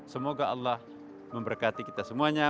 semoga allah memberkati kita semuanya